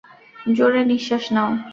জোরে নিশ্বাস নাও।